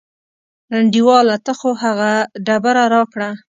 انډیواله ته خو هغه ډبره راکړه.